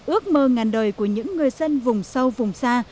ước mơ ngàn đời của những người dân vùng sâu vùng xa